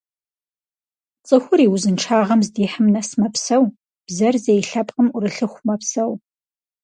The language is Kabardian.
Цӏыхур и узыншагъэм здихьым нэс мэпсэу, бзэр зей лъэпкъым ӏурылъыху мэпсэу.